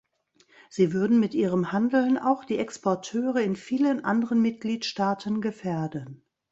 Sie würden mit ihrem Handeln auch die Exporteure in vielen anderen Mitgliedstaaten gefährden.